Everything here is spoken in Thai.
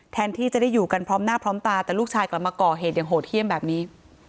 แทนที่จะได้อยู่กันพร้อมหน้าพร้อมตาแต่ลูกชายกลับมาก่อเหตุอย่างโหดเยี่ยมแบบนี้